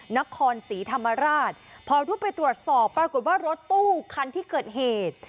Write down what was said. นครศรีธรรมราชพอรุดไปตรวจสอบปรากฏว่ารถตู้คันที่เกิดเหตุ